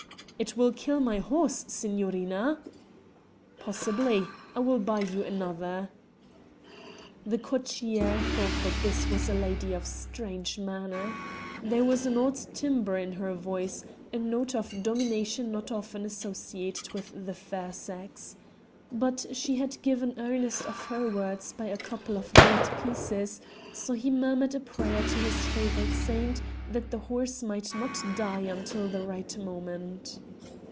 "It will kill my horse, signorina." "Possibly. I will buy you another." The cocchiere thought that this was a lady of strange manner. There was an odd timbre in her voice, a note of domination not often associated with the fair sex. But she had given earnest of her words by a couple of gold pieces, so he murmured a prayer to his favourite saint that the horse might not die until the right moment.